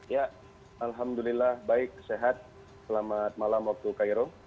ya alhamdulillah baik sehat selamat malam waktu cairo